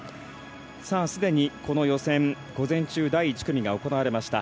すでにこの予選午前中、第１組が行われました。